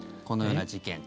このような事件。